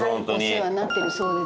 お世話になってるそうで。